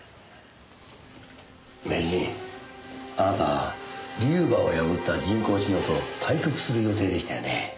名人あなた龍馬を敗った人工知能と対局する予定でしたよね？